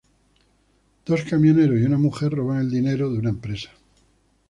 Dos camioneros y una mujer roban el dinero de una empresa.